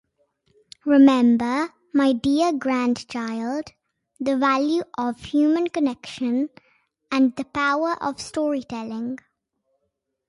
Remember, my dear grandchild, the value of human connection and the power of storytelling.